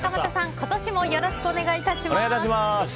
今年もよろしくお願いいたします。